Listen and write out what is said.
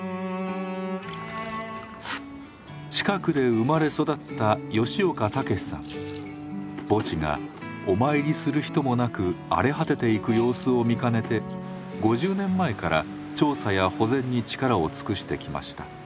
近くで生まれ育った墓地がお参りする人もなく荒れ果てていく様子を見かねて５０年前から調査や保全に力を尽くしてきました。